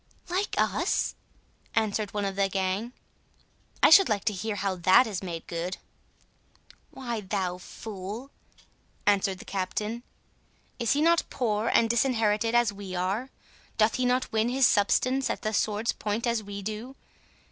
"Like us?" answered one of the gang; "I should like to hear how that is made good." "Why, thou fool," answered the Captain, "is he not poor and disinherited as we are?—Doth he not win his substance at the sword's point as we do?